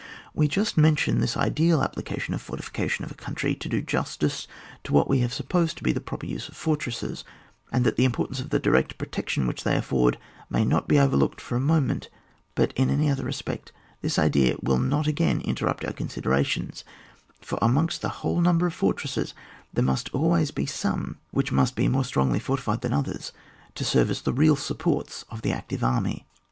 We just mention this ideal application of fortification to a country to do justice to what we have just supposed to be the proper use of fortresses, and that the importance of the direct protection which they afford may not be overlooked for a moment; but in any other respect this idea will not again interrupt our con siderations, for amongst the whole number of fortresses there must always be some which must be more strongly fortified than others, to serve as the read supports of the active army.